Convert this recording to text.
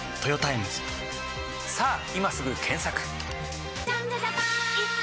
さぁ今すぐ検索！